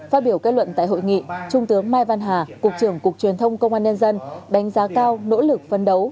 phát biểu kết luận tại hội nghị trung tướng mai văn hà cục trưởng cục truyền thông công an nhân dân đánh giá cao nỗ lực phấn đấu